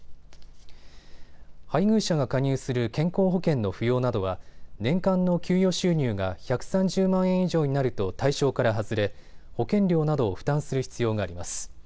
配偶者が加入する健康保険の扶養などは年間の給与収入が１３０万円以上になると対象から外れ保険料などを負担する必要があります。